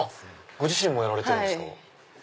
ご自身もやられてるんですか。